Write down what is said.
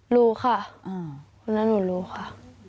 รู้ค่ะคุณน้าหนูรู้ค่ะ